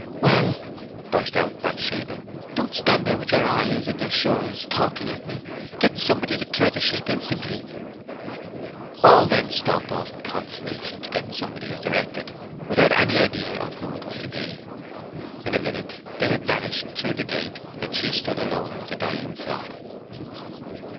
"Well," burst out Bathsheba, "don't stand there with your 'ayes' and your 'sures' talking at me! Get somebody to cure the sheep instantly!" All then stalked off in consternation, to get somebody as directed, without any idea of who it was to be. In a minute they had vanished through the gate, and she stood alone with the dying flock.